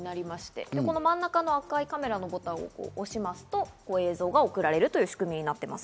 その真ん中の赤いカメラのボタンを押しますと、映像が送られる仕組みになっています。